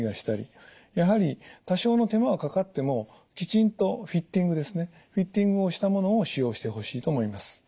やはり多少の手間はかかってもきちんとフィッティングですねフィッティングをしたものを使用してほしいと思います。